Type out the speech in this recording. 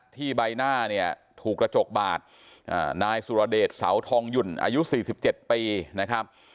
ใบหน้าเนี่ยถูกกระจกบาดนายสุรเดชเสาทองหยุ่นอายุ๔๗ปีนะครับ